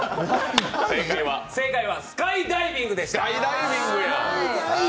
正解は「スカイダイビング」でした。